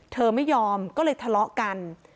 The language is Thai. เธอไม่ยอมก็เลยทะเลาะกัน